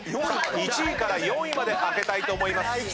１位から４位まで開けたいと思います。